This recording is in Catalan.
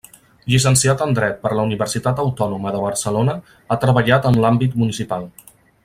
Llicenciat en Dret per la Universitat Autònoma de Barcelona, ha treballat en l'àmbit municipal.